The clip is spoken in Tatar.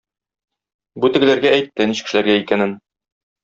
Бу тегеләргә әйтте ничек эшләргә икәнен.